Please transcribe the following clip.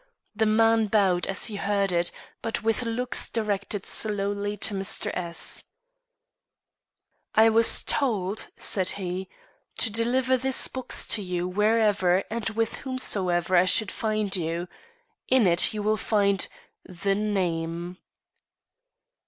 The man bowed as he heard it, but with looks directed solely to Mr. S . "I was told," said he, "to deliver this box to you wherever and with whomsoever I should find you. In it you will find _the name.